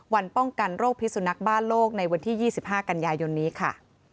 วันป้องกันโรคพิสุนักบ้านโลกในวันที่๒๕กันยายนนี้ค่ะ